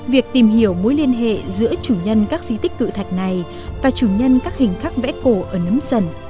việc tìm hiểu mối liên hệ giữa chủ nhân các di tích cự thạch này và chủ nhân các hình khắc vẽ cổ ở nấm sần